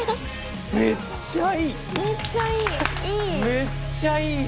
めっちゃいい。いい！